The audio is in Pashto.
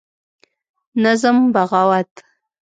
نظم: بغاوت